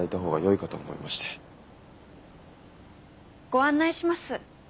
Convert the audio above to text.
ご案内します。